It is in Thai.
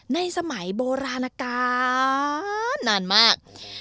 ในสมัยโบราณการนานมาก